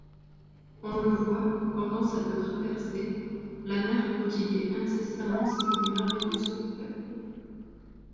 On le voit, pendant cette traversée, la mer prodiguait incessamment ses plus merveilleux spectacles.